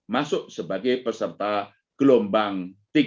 masuk sebagai peserta gelombang tiga